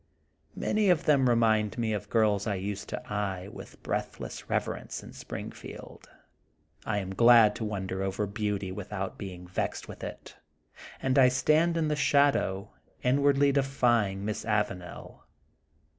Many of them remind me of girls I used to eye with breathless reverence in Springfield. I am glad to wonder over beauty without being vexed with it, and I stand in the shadow, inwardly defying Miss Avanel.